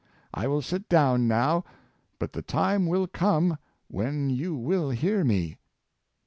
I will sit down now, but the time will come when you will hear me."